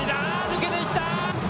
抜けていった。